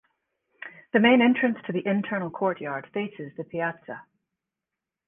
The main entrance to the internal courtyard faces the Piazza.